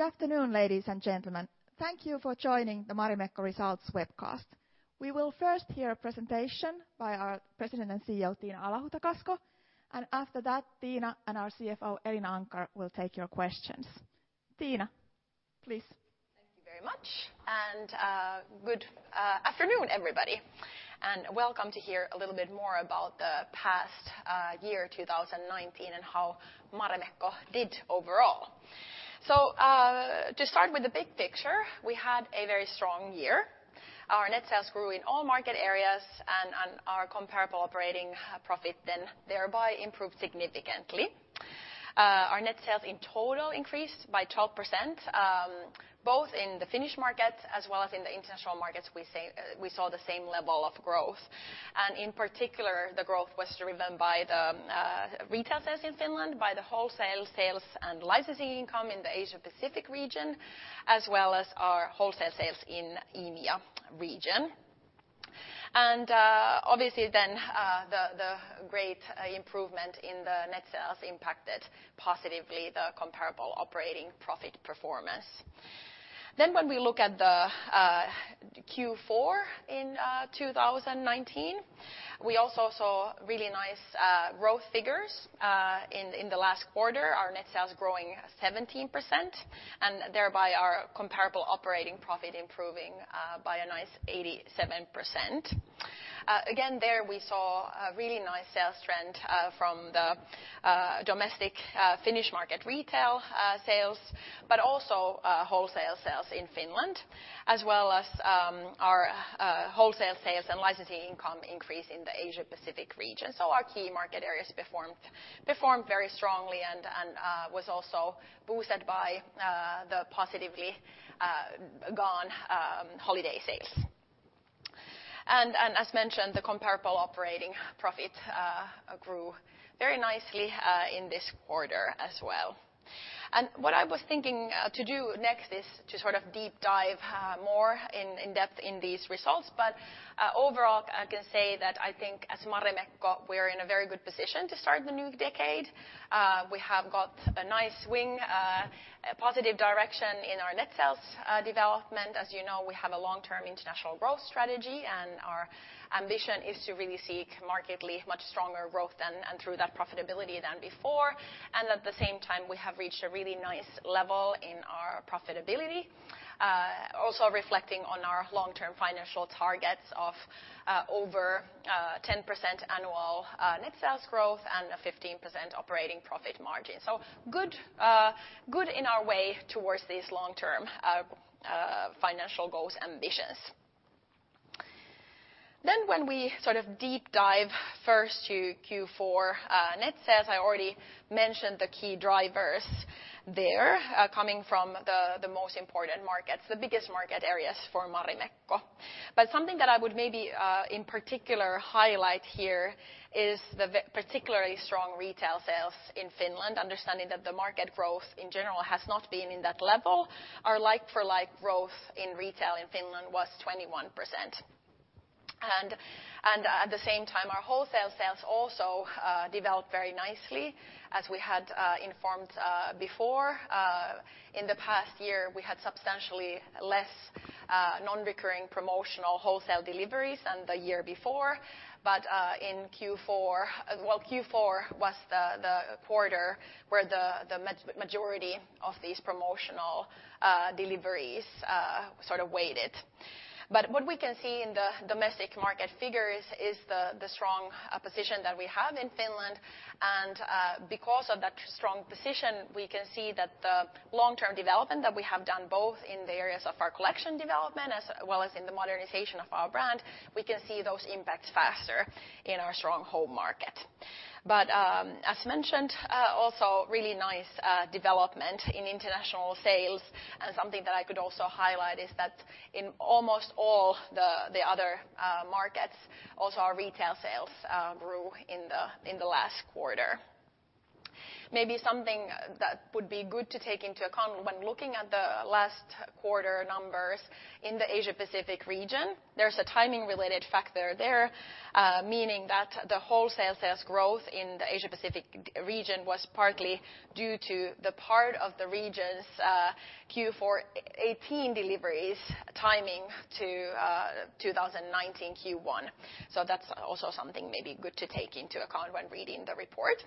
Good afternoon, ladies and gentlemen. Thank you for joining the Marimekko results webcast. We will first hear a presentation by our President and CEO, Tiina Alahuhta-Kasko, and after that, Tiina and our CFO, Elina Anckar, will take your questions. Tiina, please. Thank you very much. Good afternoon, everybody, and welcome to hear a little bit more about the past year, 2019, and how Marimekko did overall. To start with the big picture, we had a very strong year. Our net sales grew in all market areas and our comparable operating profit then thereby improved significantly. Our net sales in total increased by 12%, both in the Finnish market as well as in the international markets we saw the same level of growth. In particular, the growth was driven by the retail sales in Finland, by the wholesale sales and licensing income in the Asia-Pacific region, as well as our wholesale sales in EMEA region. Obviously then, the great improvement in the net sales impacted positively the comparable operating profit performance. When we look at the Q4 in 2019, we also saw really nice growth figures in the last quarter, our net sales growing 17%, and thereby our comparable operating profit improving by a nice 87%. Again, there we saw a really nice sales trend from the domestic Finnish market retail sales, but also wholesale sales in Finland, as well as our wholesale sales and licensing income increase in the Asia-Pacific region. Our key market areas performed very strongly and was also boosted by the positively gone holiday sales. As mentioned, the comparable operating profit grew very nicely in this quarter as well. What I was thinking to do next is to sort of deep dive more in depth in these results, but overall, I can say that I think as Marimekko, we are in a very good position to start the new decade. We have got a nice wind, a positive direction in our net sales development. As you know, we have a long-term international growth strategy, and our ambition is to really seek markedly much stronger growth and through that profitability than before. At the same time, we have reached a really nice level in our profitability, also reflecting on our long-term financial targets of over 10% annual net sales growth and a 15% operating profit margin. Good in our way towards these long-term financial goals ambitions. When we sort of deep dive first to Q4 net sales, I already mentioned the key drivers there, coming from the most important markets, the biggest market areas for Marimekko. Something that I would maybe in particular highlight here is the particularly strong retail sales in Finland, understanding that the market growth in general has not been in that level. Our like-for-like growth in retail in Finland was 21%. At the same time, our wholesale sales also developed very nicely, as we had informed before. In the past year, we had substantially less non-recurring promotional wholesale deliveries than the year before. In Q4, well, Q4 was the quarter where the majority of these promotional deliveries sort of weighted. What we can see in the domestic market figures is the strong position that we have in Finland and because of that strong position, we can see that the long-term development that we have done both in the areas of our collection development as well as in the modernization of our brand, we can see those impacts faster in our strong home market. As mentioned, also really nice development in international sales and something that I could also highlight is that in almost all the other markets also our retail sales grew in the last quarter. Something that would be good to take into account when looking at the last quarter numbers in the Asia-Pacific region, there's a timing related factor there, meaning that the wholesale sales growth in the Asia-Pacific region was partly due to the part of the region's Q4 2018 deliveries timing to 2019 Q1. That's also something maybe good to take into account when reading the report.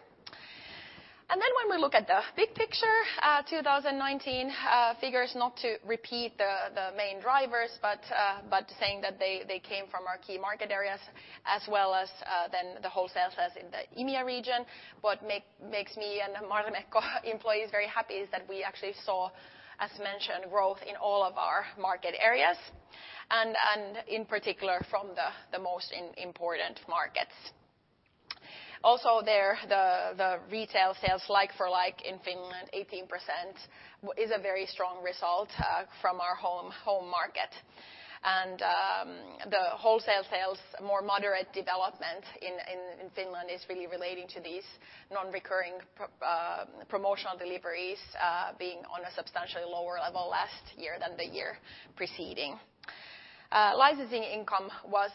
When we look at the big picture, 2019 figures, not to repeat the main drivers, but saying that they came from our key market areas as well as then the wholesale sales in the EMEA region. What makes me and Marimekko employees very happy is that we actually saw, as mentioned, growth in all of our market areas, in particular from the most important markets. Also there, the retail sales like-for-like in Finland, 18%, is a very strong result from our home market. The wholesale sales, more moderate development in Finland is really relating to these non-recurring promotional deliveries being on a substantially lower level last year than the year preceding. Licensing income was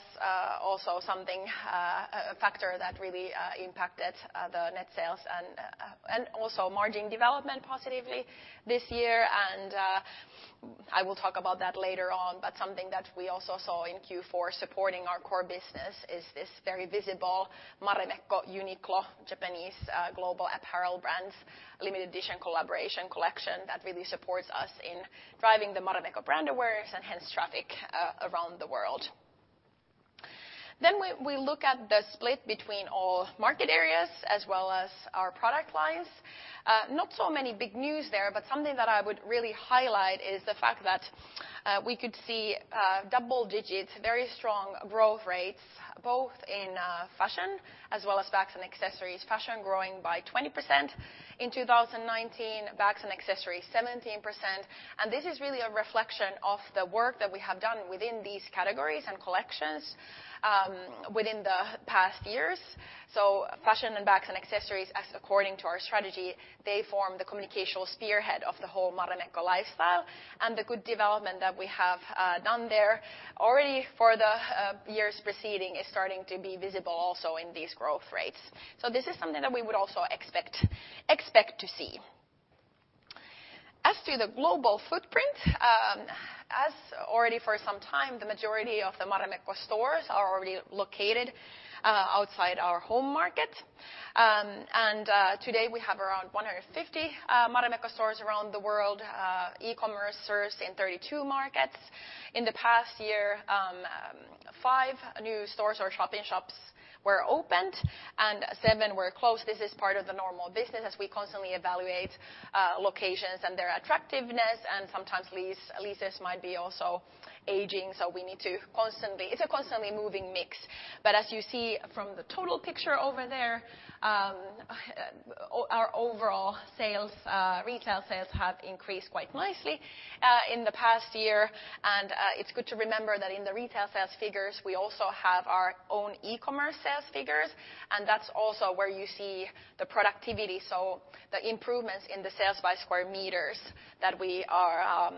also a factor that really impacted the net sales and also margin development positively this year. I will talk about that later on, but something that we also saw in Q4 supporting our core business is this very visible Marimekko, Uniqlo, Japanese global apparel brands, limited edition collaboration collection that really supports us in driving the Marimekko brand awareness and hence traffic around the world. We look at the split between all market areas as well as our product lines. Not so many big news there, but something that I would really highlight is the fact that we could see double digits, very strong growth rates, both in fashion as well as bags and accessories. Fashion growing by 20% in 2019, bags and accessories 17%. This is really a reflection of the work that we have done within these categories and collections within the past years. Fashion and bags and accessories, as according to our strategy, they form the communicational spearhead of the whole Marimekko lifestyle and the good development that we have done there already for the years preceding is starting to be visible also in these growth rates. This is something that we would also expect to see. As to the global footprint, as already for some time, the majority of the Marimekko stores are already located outside our home market. Today we have around 150 Marimekko stores around the world, e-commerce serves in 32 markets. In the past year, five new stores or shop-in-shops were opened and seven were closed. This is part of the normal business as we constantly evaluate locations and their attractiveness, and sometimes leases might be also aging, it's a constantly moving mix. As you see from the total picture over there, our overall retail sales have increased quite nicely in the past year. It's good to remember that in the retail sales figures, we also have our own e-commerce sales figures, and that's also where you see the productivity. The improvements in the sales by square meters that we are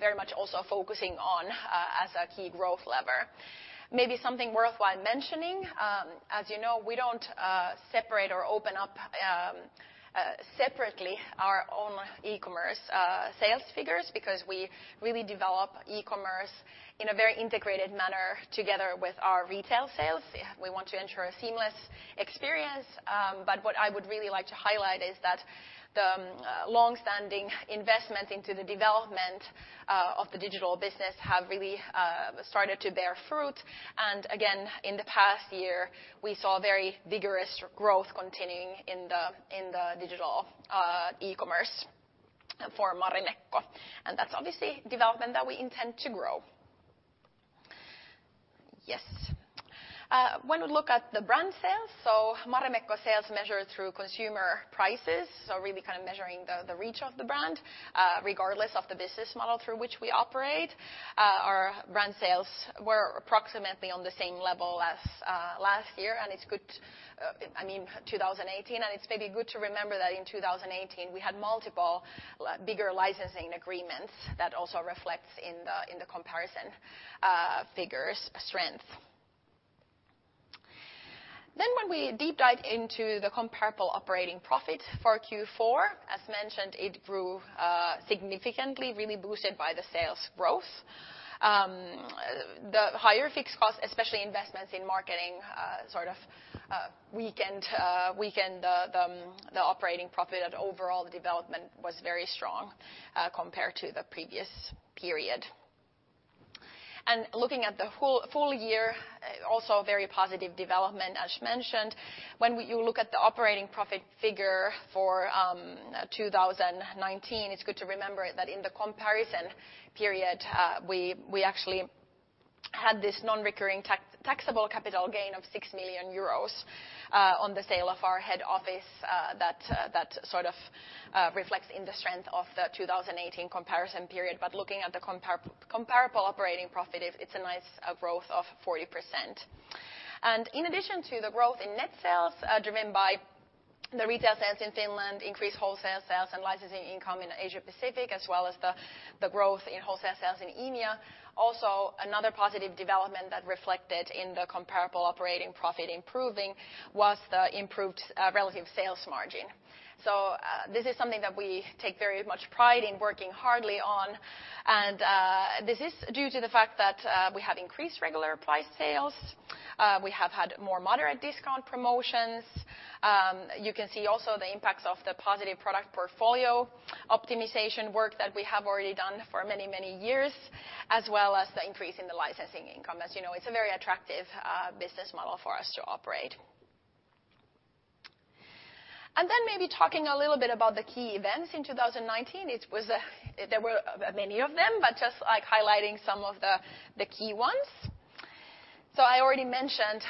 very much also focusing on as a key growth lever. Maybe something worthwhile mentioning, as you know, we don't separate or open up separately our own e-commerce sales figures because we really develop e-commerce in a very integrated manner together with our retail sales. We want to ensure a seamless experience. What I would really like to highlight is that the longstanding investment into the development of the digital business have really started to bear fruit. Again, in the past year, we saw very vigorous growth continuing in the digital e-commerce for Marimekko. That's obviously development that we intend to grow. Yes. When we look at the brand sales, so Marimekko sales measured through consumer prices. Really kind of measuring the reach of the brand, regardless of the business model through which we operate. Our brand sales were approximately on the same level as last year, I mean 2018, and it's maybe good to remember that in 2018 we had multiple bigger licensing agreements that also reflects in the comparison figures strength. When we deep dive into the comparable operating profit for Q4, as mentioned, it grew significantly, really boosted by the sales growth. The higher fixed cost, especially investments in marketing, sort of weakened the operating profit at overall development was very strong compared to the previous period. Looking at the full year, also very positive development, as mentioned. When you look at the operating profit figure for 2019, it's good to remember that in the comparison period, we actually had this non-recurring taxable capital gain of 6 million euros on the sale of our head office, that sort of reflects in the strength of the 2018 comparison period. Looking at the comparable operating profit, it's a nice growth of 40%. In addition to the growth in net sales driven by the retail sales in Finland, increased wholesale sales and licensing income in Asia Pacific as well as the growth in wholesale sales in EMEA. Also, another positive development that reflected in the comparable operating profit improving was the improved relative sales margin. This is something that we take very much pride in working hard on. This is due to the fact that we have increased regular price sales. We have had more moderate discount promotions. You can see also the impacts of the positive product portfolio optimization work that we have already done for many, many years, as well as the increase in the licensing income. As you know, it's a very attractive business model for us to operate. Maybe talking a little bit about the key events in 2019. There were many of them, just highlighting some of the key ones. I already mentioned,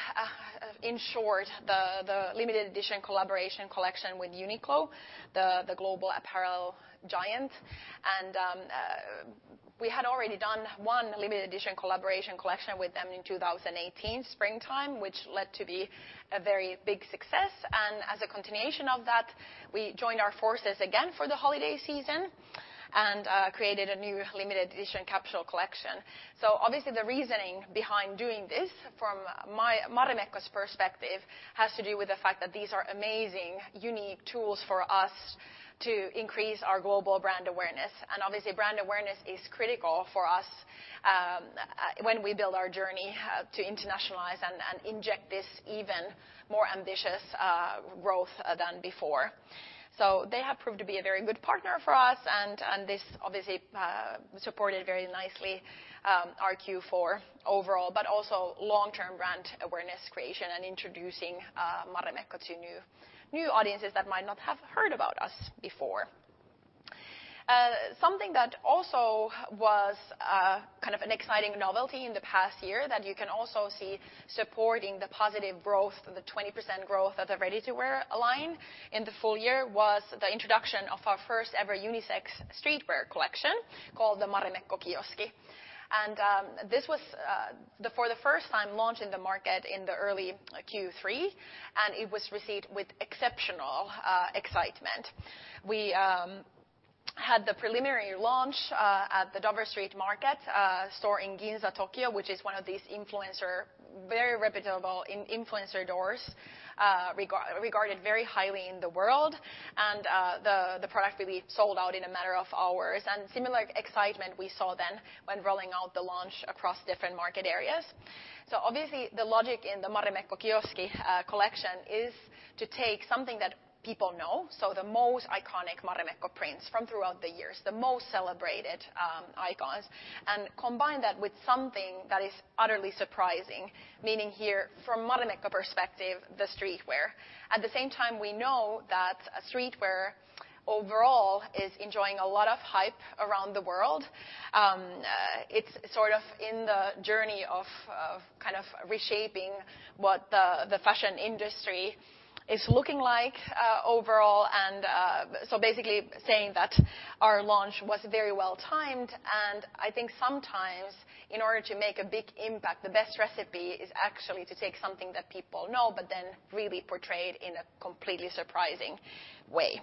in short, the limited edition collaboration collection with Uniqlo, the global apparel giant. We had already done one limited edition collaboration collection with them in 2018 springtime, which led to be a very big success. As a continuation of that, we joined our forces again for the holiday season. We created a new limited edition capsule collection. Obviously, the reasoning behind doing this from Marimekko's perspective has to do with the fact that these are amazing, unique tools for us to increase our global brand awareness. Obviously, brand awareness is critical for us when we build our journey to internationalize and inject this even more ambitious growth than before. They have proved to be a very good partner for us, and this obviously supported very nicely our Q4 overall, but also long-term brand awareness creation and introducing Marimekko to new audiences that might not have heard about us before. Something that also was kind of an exciting novelty in the past year that you can also see supporting the positive growth, the 20% growth of the ready-to-wear line in the full year was the introduction of our first ever unisex streetwear collection, called the Marimekko Kioski. This was, for the first time, launched in the market in the early Q3, and it was received with exceptional excitement. We had the preliminary launch at the Dover Street Market store in Ginza, Tokyo, which is one of these very reputable influencer doors, regarded very highly in the world. The product really sold out in a matter of hours. Similar excitement we saw then when rolling out the launch across different market areas. Obviously, the logic in the Marimekko Kioski collection is to take something that people know, so the most iconic Marimekko prints from throughout the years, the most celebrated icons, and combine that with something that is utterly surprising, meaning here, from Marimekko perspective, the streetwear. At the same time, we know that streetwear overall is enjoying a lot of hype around the world. It's sort of in the journey of kind of reshaping what the fashion industry is looking like overall. Basically saying that our launch was very well timed, and I think sometimes in order to make a big impact, the best recipe is actually to take something that people know, but then really portray it in a completely surprising way.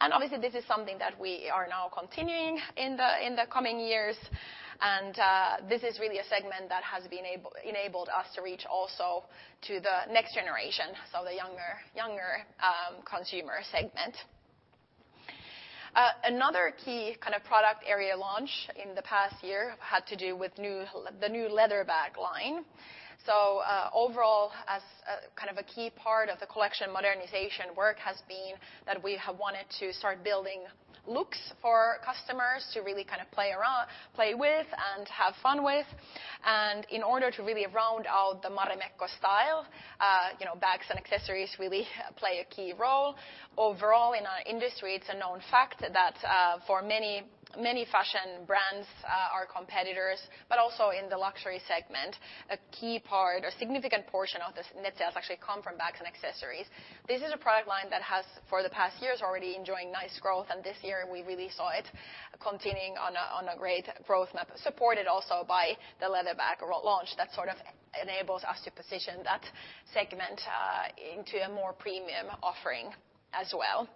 Obviously, this is something that we are now continuing in the coming years. This is really a segment that has enabled us to reach also to the next generation, so the younger consumer segment. Another key kind of product area launch in the past year had to do with the new leather bag line. Overall, as kind of a key part of the collection modernization work has been that we have wanted to start building looks for customers to really kind of play with and have fun with. In order to really round out the Marimekko style, bags and accessories really play a key role. Overall, in our industry, it's a known fact that for many fashion brands, our competitors, but also in the luxury segment, a key part, a significant portion of the net sales actually come from bags and accessories. This is a product line that has, for the past years, already enjoying nice growth, and this year we really saw it continuing on a great growth map, supported also by the leather bag launch that sort of enables us to position that segment into a more premium offering as well.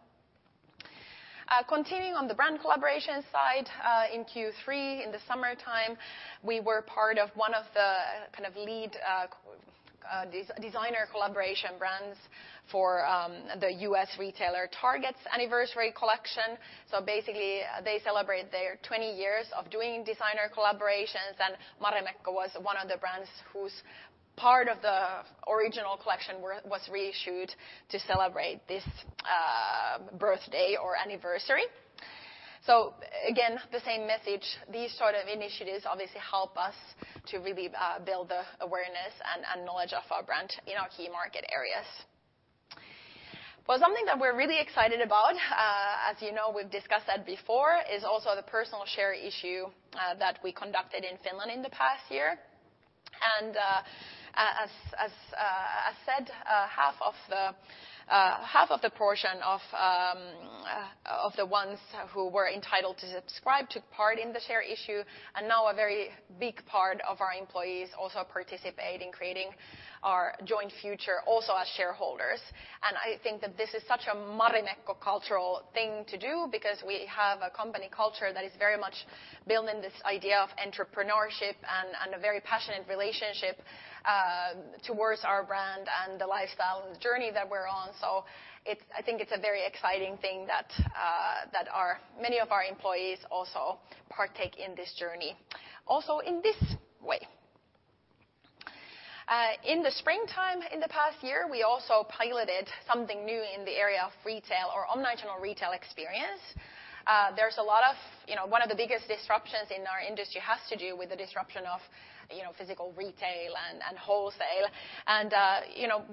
Continuing on the brand collaboration side, in Q3, in the summertime, we were part of one of the kind of lead designer collaboration brands for the U.S. retailer Target's anniversary collection. Basically, they celebrate their 20 years of doing designer collaborations, Marimekko was one of the brands whose part of the original collection was reissued to celebrate this birthday or anniversary. Again, the same message. These sort of initiatives obviously help us to really build the awareness and knowledge of our brand in our key market areas. Something that we're really excited about, as you know we've discussed that before, is also the personnel share issue that we conducted in Finland in the past year. As I said, half of the portion of the ones who were entitled to subscribe took part in the share issue, and now a very big part of our employees also participate in creating our joint future also as shareholders. I think that this is such a Marimekko cultural thing to do because we have a company culture that is very much built in this idea of entrepreneurship and a very passionate relationship towards our brand and the lifestyle and the journey that we're on. I think it's a very exciting thing that many of our employees also partake in this journey, also in this way. In the springtime in the past year, we also piloted something new in the area of retail or omnichannel retail experience. One of the biggest disruptions in our industry has to do with the disruption of physical retail and wholesale.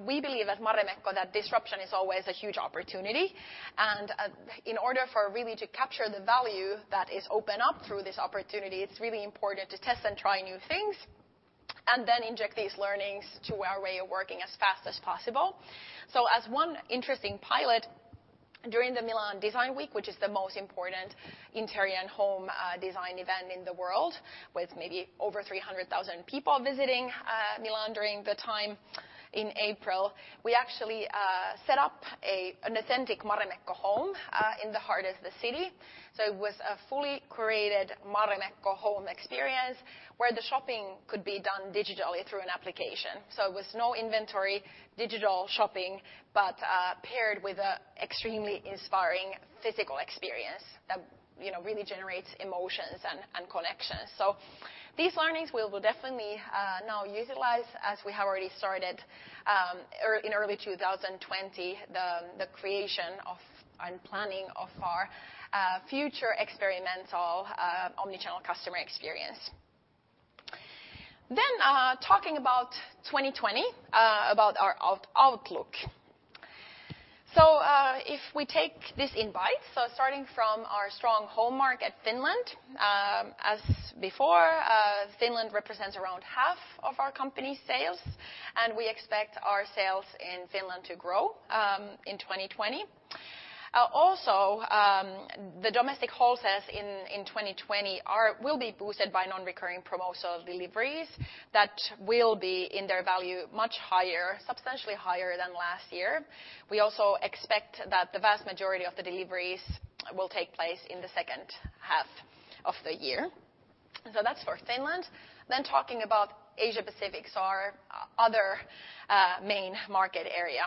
We believe at Marimekko that disruption is always a huge opportunity, and in order for really to capture the value that is open up through this opportunity, it's really important to test and try new things and then inject these learnings to our way of working as fast as possible. As one interesting pilot during the Milan Design Week, which is the most important interior and home design event in the world, with maybe over 300,000 people visiting Milan during that time in April, we actually set up an authentic Marimekko home in the heart of the city. It was a fully created Marimekko home experience where the shopping could be done digitally through an application. It was no inventory, digital shopping, but paired with an extremely inspiring physical experience that really generates emotions and connections. These learnings we will definitely now utilize as we have already started in early 2020, the creation of and planning of our future experimental omnichannel customer experience. Talking about 2020, about our outlook. If we take this in light, starting from our strong home market, Finland. As before, Finland represents around half of our company's sales, and we expect our sales in Finland to grow in 2020. Also, the domestic wholesales in 2020 will be boosted by non-recurring promotional deliveries that will be in their value much higher, substantially higher than last year. We also expect that the vast majority of the deliveries will take place in the second half of the year. That's for Finland. Talking about Asia Pacific, our other main market area.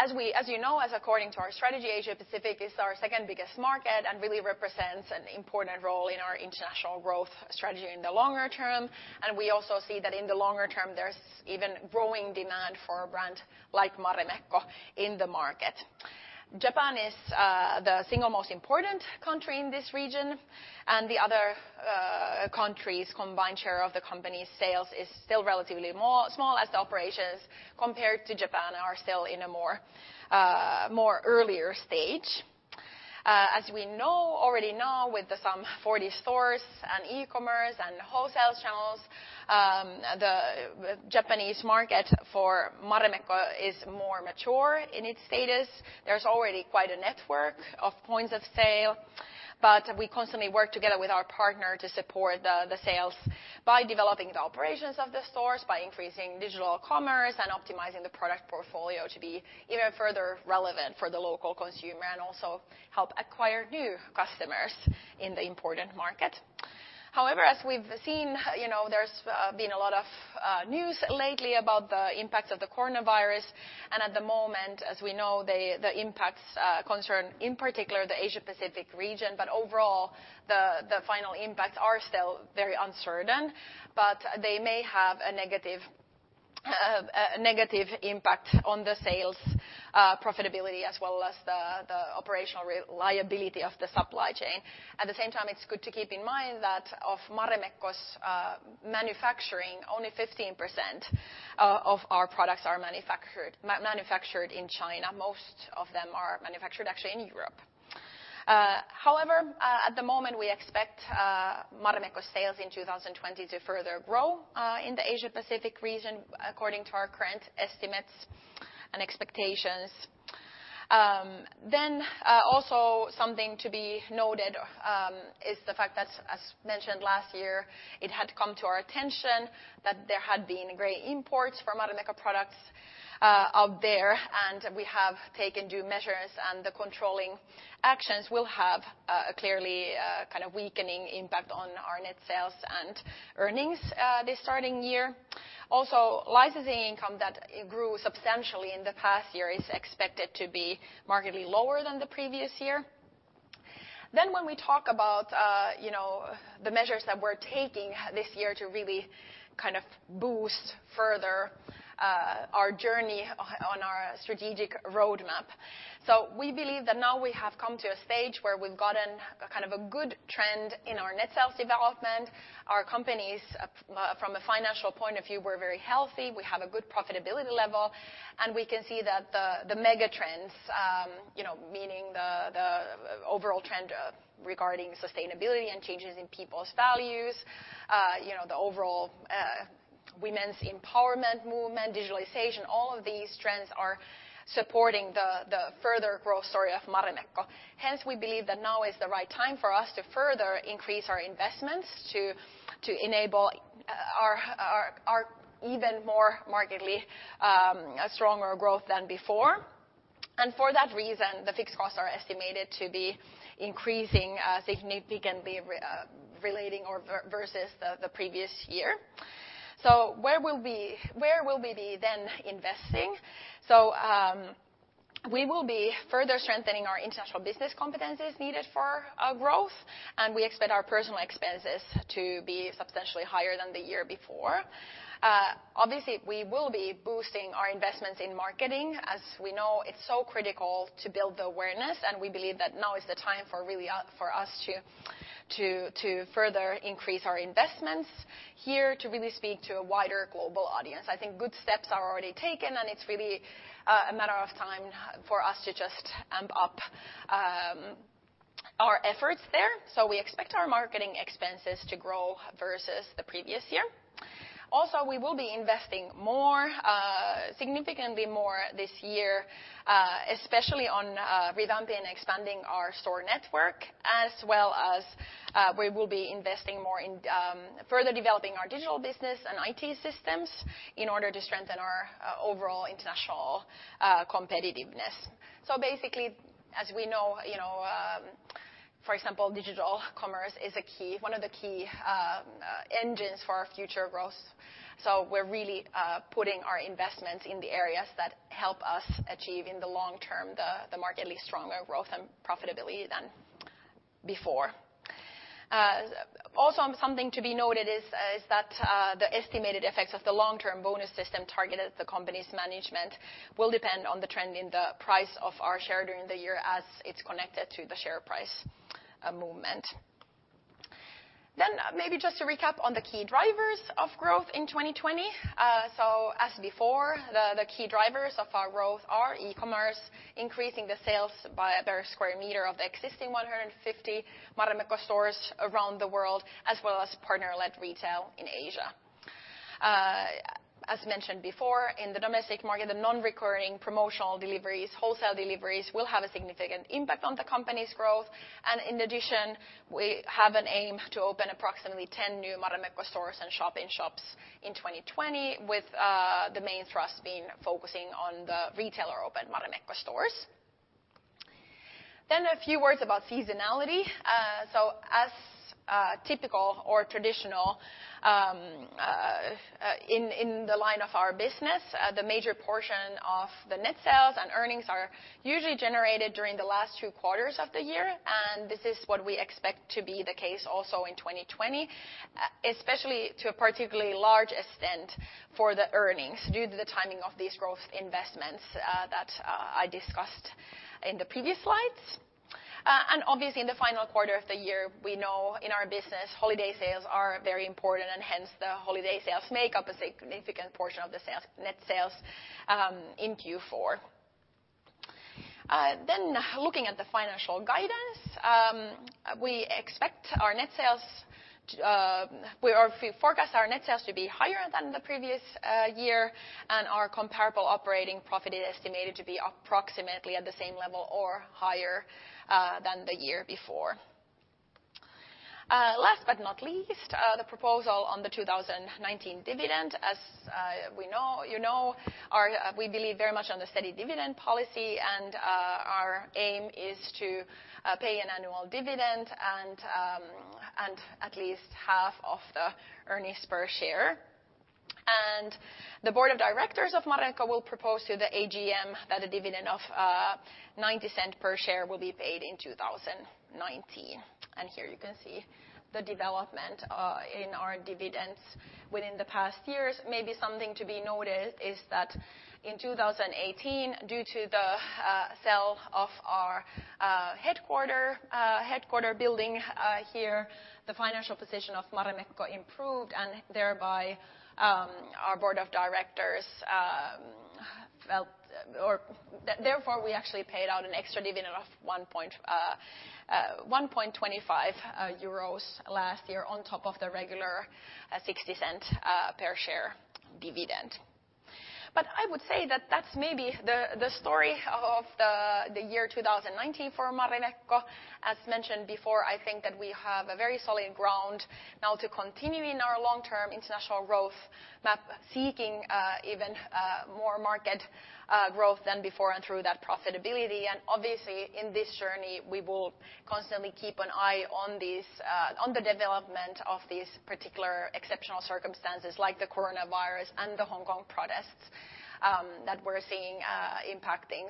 As you know, as according to our strategy, Asia Pacific is our second-biggest market and really represents an important role in our international growth strategy in the longer term. We also see that in the longer term, there's even growing demand for a brand like Marimekko in the market. Japan is the single most important country in this region, and the other countries' combined share of the company's sales is still relatively small as the operations compared to Japan are still in a more earlier stage. As we already know with some 40 stores and e-commerce and wholesale channels, the Japanese market for Marimekko is more mature in its status. There's already quite a network of points of sale, but we constantly work together with our partner to support the sales by developing the operations of the stores, by increasing digital commerce, and optimizing the product portfolio to be even further relevant for the local consumer and also help acquire new customers in the important market. However, as we've seen, there's been a lot of news lately about the impact of the coronavirus. At the moment, as we know, the impacts concern in particular the Asia Pacific region. Overall, the final impacts are still very uncertain, but they may have a negative impact on the sales profitability as well as the operational reliability of the supply chain. At the same time, it's good to keep in mind that of Marimekko's manufacturing, only 15% of our products are manufactured in China. Most of them are manufactured actually in Europe. At the moment, we expect Marimekko sales in 2020 to further grow in the Asia Pacific region according to our current estimates and expectations. Also something to be noted is the fact that, as mentioned last year, it had come to our attention that there had been gray imports for Marimekko products out there, and we have taken due measures and the controlling actions will have a clearly kind of weakening impact on our net sales and earnings this starting year. Also, licensing income that grew substantially in the past year is expected to be markedly lower than the previous year. When we talk about the measures that we're taking this year to really boost further our journey on our strategic roadmap. We believe that now we have come to a stage where we've gotten a good trend in our net sales development. Our company, from a financial point of view, we're very healthy. We have a good profitability level, and we can see that the mega trends, meaning the overall trend regarding sustainability and changes in people's values, the overall women's empowerment movement, digitalization, all of these trends are supporting the further growth story of Marimekko. Hence, we believe that now is the right time for us to further increase our investments to enable our even more markedly stronger growth than before. For that reason, the fixed costs are estimated to be increasing significantly relating or versus the previous year. Where will we be then investing? We will be further strengthening our international business competencies needed for our growth, and we expect our personal expenses to be substantially higher than the year before. Obviously, we will be boosting our investments in marketing. As we know, it's so critical to build the awareness, and we believe that now is the time for us to further increase our investments here to really speak to a wider global audience. I think good steps are already taken, and it's really a matter of time for us to just amp up our efforts there. We expect our marketing expenses to grow versus the previous year. Also, we will be investing significantly more this year, especially on revamping and expanding our store network, as well as we will be investing more in further developing our digital business and IT systems in order to strengthen our overall international competitiveness. Basically, as we know, for example, digital commerce is one of the key engines for our future growth. We're really putting our investments in the areas that help us achieve, in the long term, the market, at least stronger growth and profitability than before. Also, something to be noted is that the estimated effects of the long-term bonus system targeted at the company's management will depend on the trend in the price of our share during the year as it's connected to the share price movement. Maybe just to recap on the key drivers of growth in 2020. As before, the key drivers of our growth are e-commerce, increasing the sales per square meter of the existing 150 Marimekko stores around the world, as well as partner-led retail in Asia. As mentioned before, in the domestic market, the non-recurring promotional deliveries, wholesale deliveries, will have a significant impact on the company's growth. In addition, we have an aim to open approximately 10 new Marimekko stores and shop-in-shops in 2020 with the main thrust being focusing on the retailer-opened Marimekko stores. A few words about seasonality. As typical or traditional in the line of our business, the major portion of the net sales and earnings are usually generated during the last two quarters of the year, and this is what we expect to be the case also in 2020, especially to a particularly large extent for the earnings due to the timing of these growth investments that I discussed in the previous slides. Obviously in the final quarter of the year, we know in our business, holiday sales are very important, and hence the holiday sales make up a significant portion of the net sales in Q4. Looking at the financial guidance, we forecast our net sales to be higher than the previous year, and our comparable operating profit is estimated to be approximately at the same level or higher than the year before. Last but not least, the proposal on the 2019 dividend. As you know, we believe very much on the steady dividend policy, and our aim is to pay an annual dividend and at least half of the earnings per share. The board of directors of Marimekko will propose to the AGM that a dividend of 0.90 per share will be paid in 2019. Here you can see the development in our dividends within the past years. Maybe something to be noted is that in 2018, due to the sale of our headquarter building here, the financial position of Marimekko improved, and thereby our board of directors felt. We actually paid out an extra dividend of 1.25 euros last year on top of the regular 0.60 per share dividend. I would say that that's maybe the story of the year 2019 for Marimekko. As mentioned before, I think that we have a very solid ground now to continue in our long-term international growth map, seeking even more market growth than before and through that profitability. Obviously, in this journey, we will constantly keep an eye on the development of these particular exceptional circumstances, like the coronavirus and the Hong Kong protests that we're seeing impacting.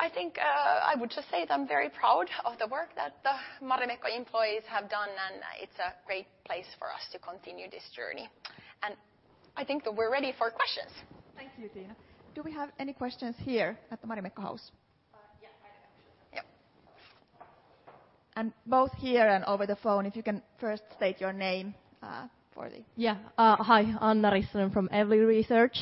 I think I would just say that I'm very proud of the work that the Marimekko employees have done, and it's a great place for us to continue this journey. I think that we're ready for questions. Thank you, Tiina. Do we have any questions here at the Marimekko House? Yeah, I have a question. Yep. Both here and over the phone, if you can first state your name for. Yeah. Hi, Anna Rissanen from Evli Research.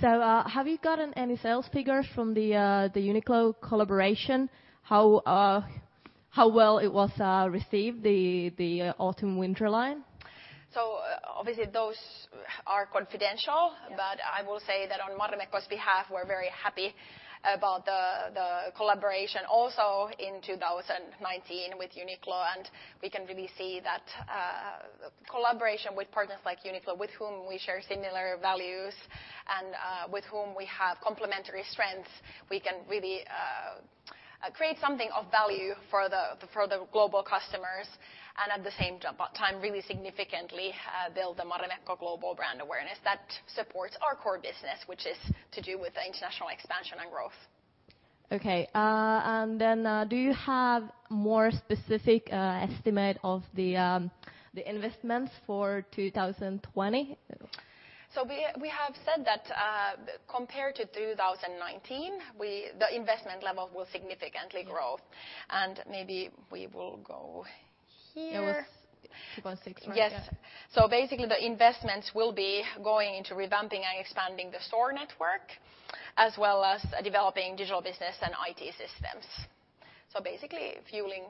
Have you gotten any sales figures from the Uniqlo collaboration? How well it was received, the autumn-winter line? obviously those are confidential. Yeah I will say that on Marimekko's behalf, we're very happy about the collaboration also in 2019 with Uniqlo, and we can really see that collaboration with partners like Uniqlo, with whom we share similar values and with whom we have complementary strengths. We can really create something of value for the global customers, and at the same time, really significantly build the Marimekko global brand awareness that supports our core business, which is to do with the international expansion and growth. Do you have more specific estimate of the investments for 2020? We have said that compared to 2019, the investment level will significantly grow. Maybe we will go here. 2016, yeah. Yes. Basically, the investments will be going into revamping and expanding the store network, as well as developing digital business and IT systems. Basically, fueling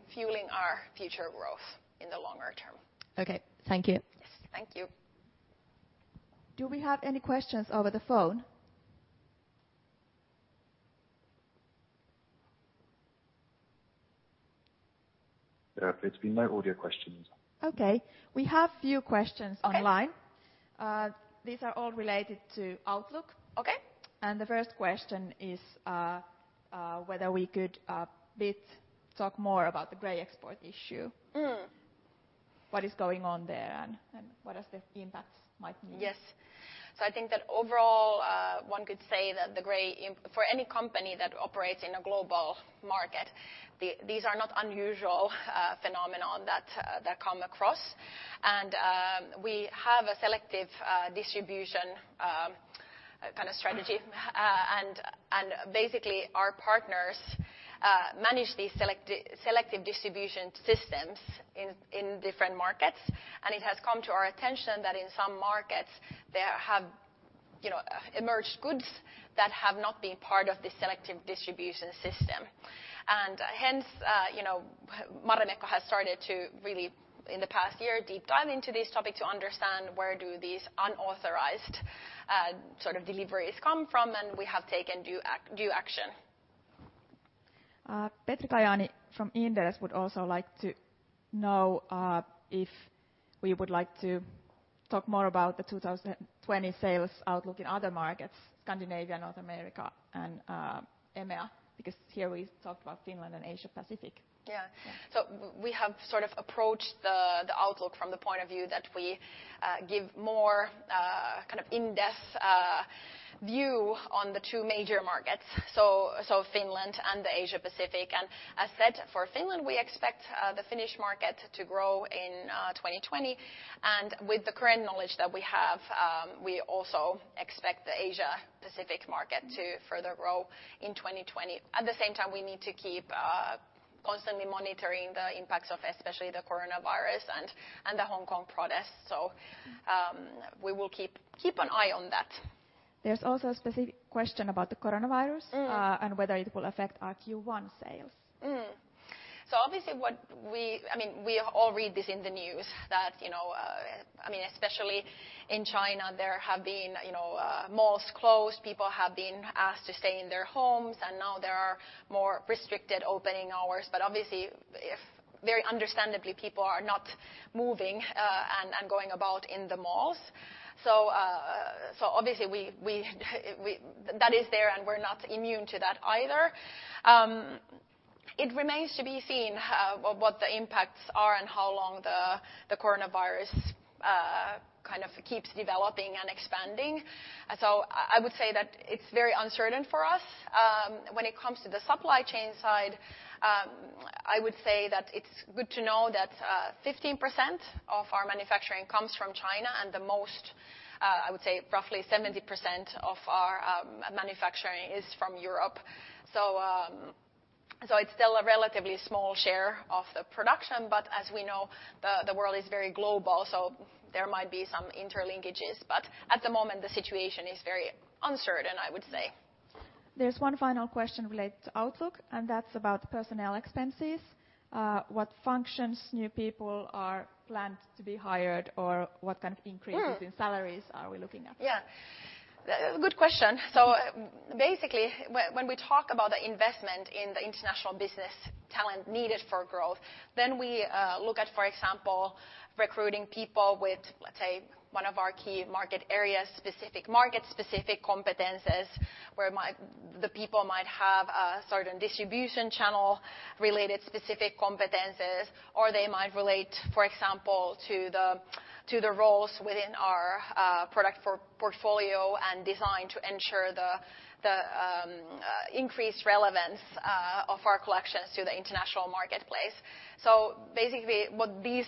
our future growth in the longer term. Okay. Thank you. Yes. Thank you. Do we have any questions over the phone? There appear to be no audio questions. Okay. We have a few questions online. Okay. These are all related to outlook. Okay. The first question is whether we could talk more about the gray export issue. What is going on there and what are the impacts might be? Yes. I think that overall, one could say that for any company that operates in a global market, these are not unusual phenomenon that come across. We have a selective distribution kind of strategy. Basically, our partners manage these selective distribution systems in different markets. It has come to our attention that in some markets, there have emerged goods that have not been part of the selective distribution system. Hence, Marimekko has started to really, in the past year, deep dive into this topic to understand where do these unauthorized sort of deliveries come from, and we have taken due action. Petri Kajaani from Inderes would also like to know if we would like to talk more about the 2020 sales outlook in other markets, Scandinavia, North America, and EMEA, because here we talked about Finland and Asia Pacific. Yeah. We have sort of approached the outlook from the point of view that we give more kind of in-depth view on the two major markets, so Finland and the Asia Pacific. As said, for Finland, we expect the Finnish market to grow in 2020. With the current knowledge that we have, we also expect the Asia Pacific market to further grow in 2020. At the same time, we need to keep constantly monitoring the impacts of especially the coronavirus and the Hong Kong protests. We will keep an eye on that. There's also a specific question about the coronavirus. Whether it will affect our Q1 sales. Obviously, we all read this in the news that, especially in China, there have been malls closed, people have been asked to stay in their homes, and now there are more restricted opening hours. Obviously, very understandably, people are not moving and going about in the malls. Obviously, that is there, and we're not immune to that either. It remains to be seen what the impacts are and how long the coronavirus kind of keeps developing and expanding. I would say that it's very uncertain for us. When it comes to the supply chain side, I would say that it's good to know that 15% of our manufacturing comes from China, and the most, I would say roughly 70% of our manufacturing is from Europe. It's still a relatively small share of the production. As we know, the world is very global, so there might be some interlinkages. At the moment, the situation is very uncertain, I would say. There's one final question related to outlook. That's about personnel expenses. What functions, new people are planned to be hired? ...in salaries are we looking at? Good question. Basically, when we talk about the investment in the international business talent needed for growth, then we look at, for example, recruiting people with, let's say, one of our key market areas, specific market, specific competencies, where the people might have a certain distribution channel related specific competencies. They might relate, for example, to the roles within our product portfolio and design to ensure the increased relevance of our collections to the international marketplace. Basically, what these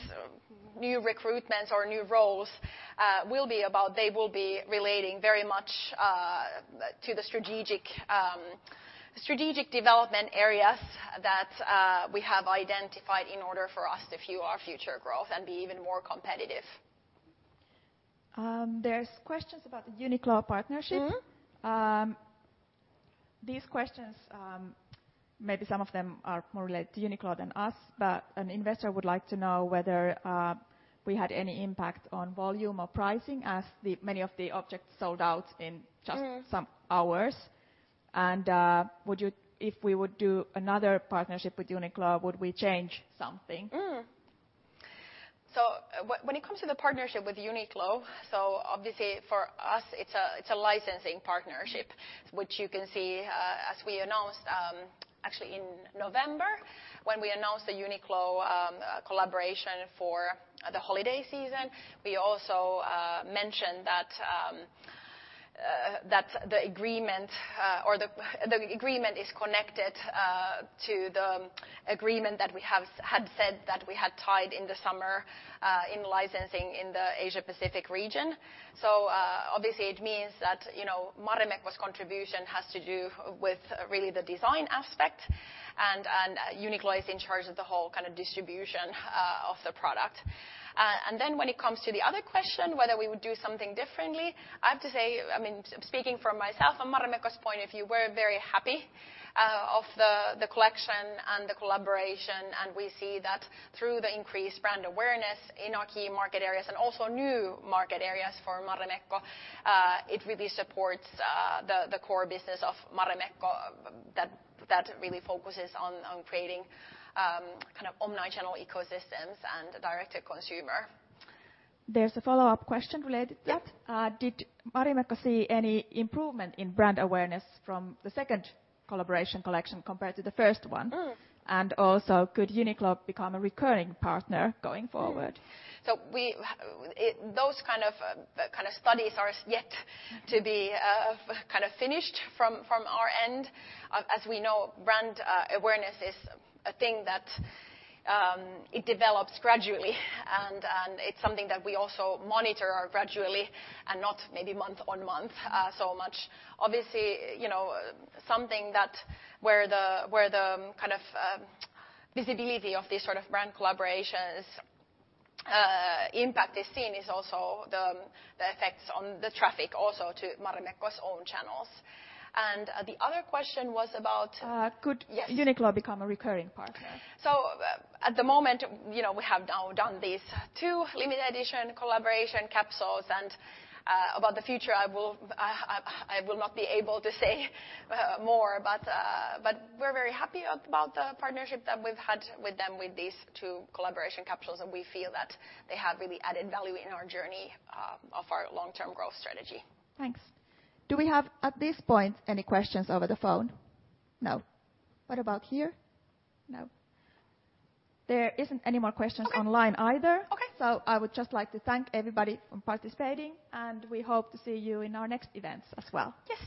new recruitments or new roles will be about, they will be relating very much to the strategic development areas that we have identified in order for us to fuel our future growth and be even more competitive. There's questions about the Uniqlo partnership. These questions, maybe some of them are more related to Uniqlo than us, but an investor would like to know whether we had any impact on volume or pricing, as many of the objects sold out in just some hours. If we would do another partnership with Uniqlo, would we change something? When it comes to the partnership with Uniqlo, obviously for us, it's a licensing partnership, which you can see as we announced actually in November, when we announced the Uniqlo collaboration for the holiday season. We also mentioned that the agreement is connected to the agreement that we had said that we had tied in the summer in licensing in the Asia-Pacific region. Obviously it means that Marimekko's contribution has to do with really the design aspect and Uniqlo is in charge of the whole distribution of the product. When it comes to the other question, whether we would do something differently, I have to say, speaking for myself on Marimekko's point of view, we're very happy of the collection and the collaboration, and we see that through the increased brand awareness in our key market areas and also new market areas for Marimekko. It really supports the core business of Marimekko that really focuses on creating omnichannel ecosystems and direct-to-consumer. There's a follow-up question related to that. Yep. Did Marimekko see any improvement in brand awareness from the second collaboration collection compared to the first one? Also, could Uniqlo become a recurring partner going forward? Those kind of studies are yet to be finished from our end. As we know, brand awareness is a thing that it develops gradually and it's something that we also monitor gradually and not maybe month on month so much. Obviously, something that where the visibility of these sort of brand collaborations impact is seen is also the effects on the traffic also to Marimekko's own channels. The other question was about- Could- Yes Uniqlo become a recurring partner? At the moment, we have now done these two limited edition collaboration capsules. About the future, I will not be able to say more. We are very happy about the partnership that we have had with them with these two collaboration capsules. We feel that they have really added value in our journey of our long-term growth strategy. Thanks. Do we have, at this point, any questions over the phone? No. What about here? No. There isn't any more questions online either. Okay. I would just like to thank everybody for participating, and we hope to see you in our next events as well.